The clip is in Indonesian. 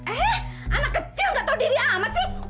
eh anak kecil gak tahu diri amat sih